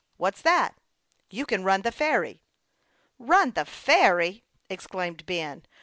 "What's that?" " You can run the ferry." "Run the ferry!" exclaimed Ben.